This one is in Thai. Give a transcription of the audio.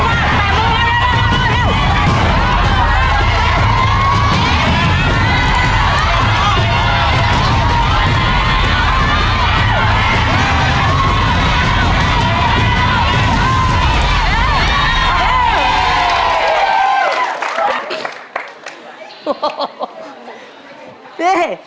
สุดท้ายสุดท้ายสุดท้าย